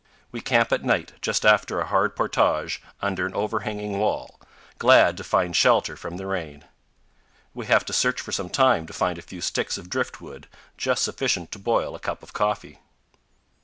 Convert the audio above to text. We camp at night, just after a hard portage, under an overhanging wall, glad to find shelter from the rain. We have to search for some time to find a few sticks of driftwood, just sufficient to boil a cup of coffee.